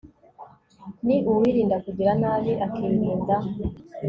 ni uwirinda kugira nabi ; akirinda